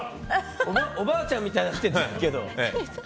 おばあちゃんみたいになってるけど。